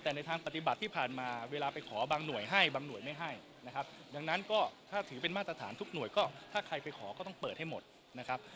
แต่ในทางปฏิบัติที่ผ่านมาเวลาไปขอบางหน่วยให้บางหน่วยไม่ให้นะครับดังนั้นก็ถ้าถือเป็นมาตรฐานทุกหน่วยก็ถ้าใครไปขอก็ต้องเปิดให้หมดนะครับ